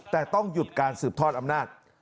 แต่ต้องหยุดการสืบทอดอำนาจ